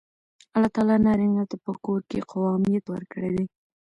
الله تعالی نارینه ته په کور کې قوامیت ورکړی دی.